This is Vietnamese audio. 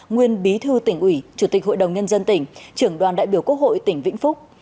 nguyên bí thư tỉnh ủy chủ tịch hội đồng nhân dân tỉnh trưởng đoàn đại biểu quốc hội tỉnh vĩnh phúc